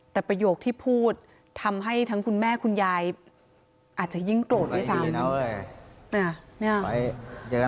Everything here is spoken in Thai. แต่ประโยคที่พูดทำให้ทั้งคุณแม่คุณยายอาจจะยิ่งโกรธด้วยซ้ำ